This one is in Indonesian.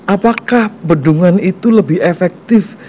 apakah bendungan itu lebih efektif